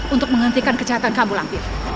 untuk menghentikan kejahatan kamu lampir